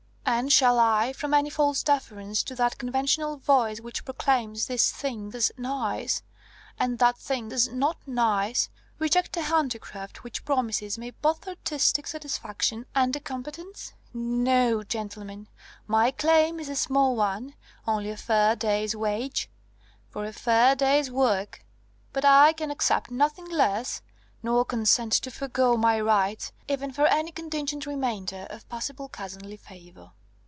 And shall I, from any false deference to that conventional voice which proclaims this thing as 'nice,' and that thing as 'not nice,' reject a handicraft which promises me both artistic satisfaction and a competence? No, gentlemen; my claim is a small one, only a fair day's wage for a fair day's work. But I can accept nothing less, nor consent to forgo my rights, even for any contingent remainder of possible cousinly favour!"